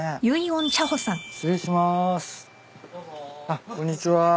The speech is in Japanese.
あっこんにちは。